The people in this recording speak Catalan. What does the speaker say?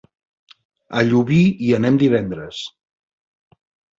A Llubí hi anem divendres.